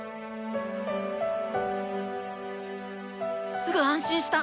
すごく安心した！